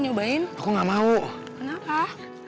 nanti aku mau makan aja